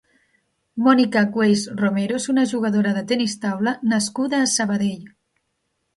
Mònica Weisz Romero és una jugadora tennis taula nascuda a Sabadell.